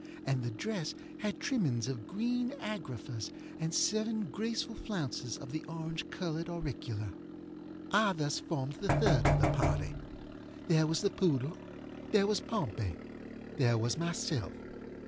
And the dress had trimmings of green agraffas, and seven graceful flounces of the orange colored auricula. I thus formed the third of the party. There was the poodle. There was Pompey. There was myself.